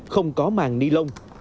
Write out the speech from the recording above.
không có màng niệm